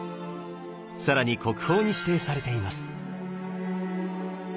更に国宝に指定されています。